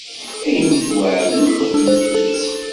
Ayen i tweɛdem, xedmet-t.